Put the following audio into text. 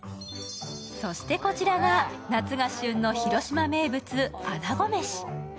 そしてこちらが夏が旬の広島名物、穴子めし。